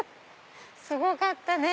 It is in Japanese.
すごかったね。